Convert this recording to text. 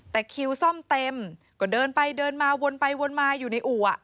แต่คิวซ่อมเต็มก็เดินไปเดินมาวนไปวนมาอยู่ในอู่